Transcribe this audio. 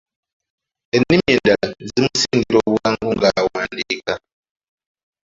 Ennimi endala zimusingira obwangu ng’awandiika.